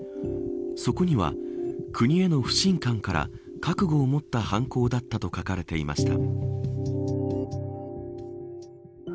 そこには、国への不信感から覚悟を持った犯行だったと書かれていました。